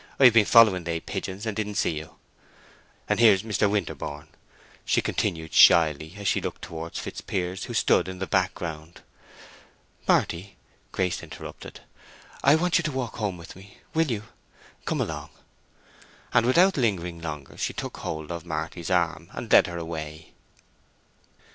I have been following they pigeons, and didn't see you. And here's Mr. Winterborne!" she continued, shyly, as she looked towards Fitzpiers, who stood in the background. "Marty," Grace interrupted. "I want you to walk home with me—will you? Come along." And without lingering longer she took hold of Marty's arm and led her away.